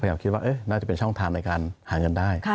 คิดว่าน่าจะเป็นช่องทางในการหาเงินได้